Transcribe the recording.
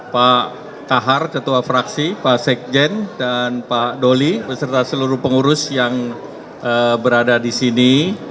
pak kahar ketua fraksi pak sekjen dan pak doli beserta seluruh pengurus yang berada di sini